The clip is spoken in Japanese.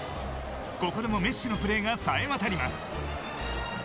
ここでもメッシのプレーが冴えわたります。